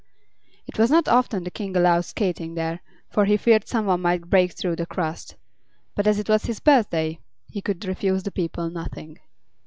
It was not often the King allowed skating there, for he feared some one might break through the crust; but as it was his birthday he could refuse the people nothing.